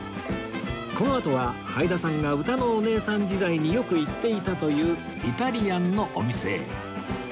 このあとははいださんがうたのおねえさん時代によく行っていたというイタリアンのお店へ